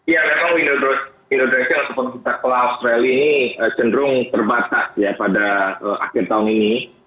setelah australia ini cenderung terbatas pada akhir tahun ini